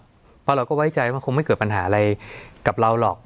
เพราะเราก็ไว้ใจว่าคงไม่เกิดปัญหาอะไรกับเราหรอก